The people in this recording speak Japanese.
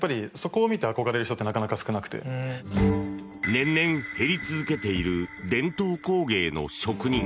年々減り続けている伝統工芸の職人。